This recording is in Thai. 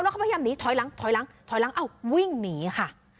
แล้วก็พยายามหนีถอยหลังถอยหลังถอยหลังอ้าววิ่งหนีค่ะ